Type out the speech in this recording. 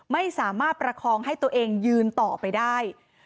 ไม่สามารถประคองให้ตัวเองยืนต่อไปได้